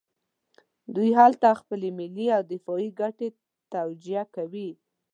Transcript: دوی هلته خپلې ملي او دفاعي ګټې توجیه کوي.